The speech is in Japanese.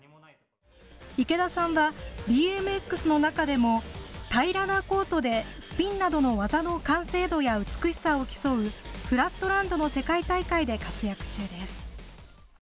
池田さんはＢＭＸの中でも平らなコートでスピンなどの技の完成度や美しさを競うフラットランドの世界大会で活躍中です。